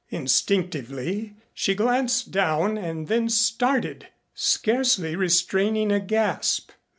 Instinctively she glanced down and then started scarcely restraining a gasp.